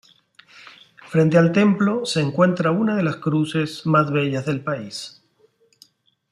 Frente al templo se encuentra una de las cruces más bellas del país.